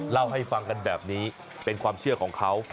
เล่าให้ฟังกันแบบนี้เป็นความเชื่อของเขา